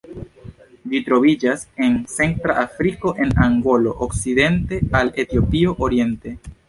Ĝi troviĝas en centra Afriko, el Angolo okcidente al Etiopio oriente.